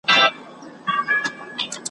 موږ به خپل دردونه چیري چاته ژاړو ,